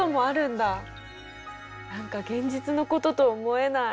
何か現実のことと思えない。